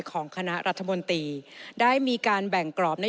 ของคณะรัฐมนตรีได้มีการแบ่งกรอบ